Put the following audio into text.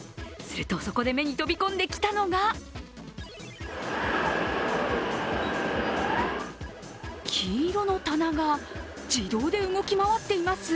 そこで目に飛び込んできたのが黄色の棚が自動で動き回っています。